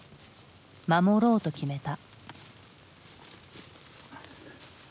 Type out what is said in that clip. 守ろうと決めた。